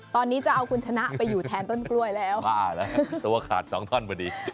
ตอนนี้จะเอาคุณชนะไปอยู่แทนต้นกล้วยแล้วตัวขาดสองท่อนพอดี